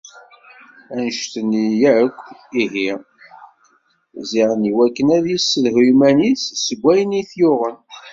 Annect-nni yakk ihi, ziɣen i wakken ad yessedhu iman-is seg wayen i t-yuɣen.